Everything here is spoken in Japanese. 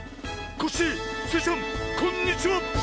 コッシースイちゃんこんにちは！